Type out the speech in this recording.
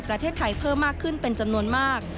ประเทศไทยเพิ่มมากขึ้นเป็นจำนวนมาก